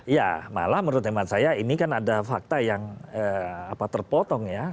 ya malah menurut hemat saya ini kan ada fakta yang terpotong ya